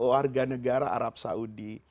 warga negara arab saudi